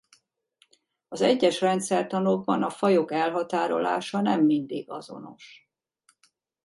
Az egyes rendszertanokban a fajok elhatárolása nem mindig azonos.